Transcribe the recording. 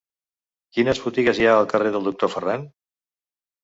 Quines botigues hi ha al carrer del Doctor Ferran?